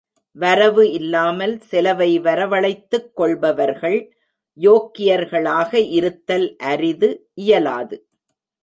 வரவு இல்லாமல் செலவை வரவழைத்துக் கொள்பவர்கள் யோக்கியர்களாக இருத்தல் அரிது, இயலாது.